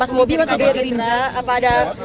pas bobi masudiyahirindra apa ada